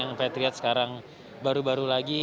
yang patriar sekarang baru baru lagi